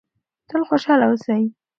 تل خوشحاله اوسئ.